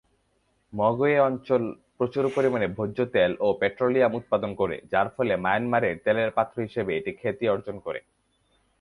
Mogwe অঞ্চল প্রচুর পরিমাণে ভোজ্য তেল এবং পেট্রোলিয়াম উৎপাদন করে, যার ফলে মায়ানমারের তেলের পাত্র হিসেবে এটি খ্যাতি অর্জন করে।